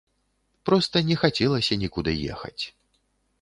Проста не хацелася нікуды ехаць.